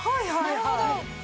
なるほど！